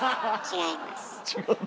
違います。